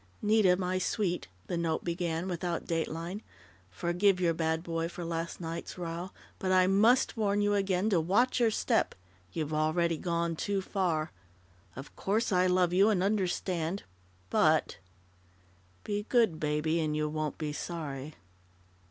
"Nita, my sweet," the note began, without date line, "Forgive your bad boy for last night's row, but I must warn you again to watch your step. You've already gone too far. Of course I love you and understand, but Be good, Baby, and you won't be sorry."